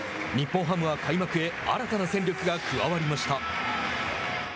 日本ハムは開幕へ新たな戦力が加わりました。